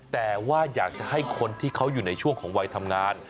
แต่ว่าอยากจะให้คนที่เขาอยู่ในช่วงของวัยทำงาน